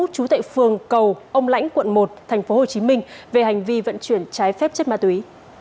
trú tại phường cầu ông lãnh quận một tp hcm về hành vi vận chuyển trái phép chất ma túy